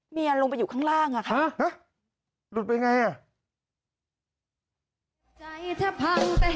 เมียลงไปอยู่ข้างล่างอะครับห๊ะห๊ะหลุดไปยังไงอ่ะ